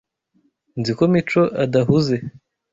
Nzi ko Mico adahuze